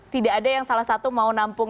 tidak ada yang salah satu mau nampung